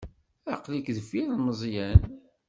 Aql-ik deffir n Meẓyan.